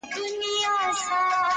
• ککرۍ يې دي رېبلي دې بدرنگو ککریو.